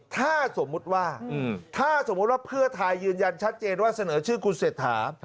ถ้าสมมุติว่าเพื่อทายยืนยันชัดเจนว่าเสนอชื่อคุณเศรษฐา